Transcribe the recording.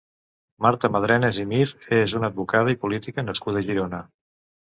Marta Madrenas i Mir és una advocada i política nascuda a Girona.